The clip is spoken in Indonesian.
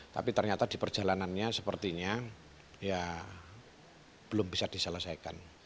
tapi ternyata di perjalanannya sepertinya ya belum bisa diselesaikan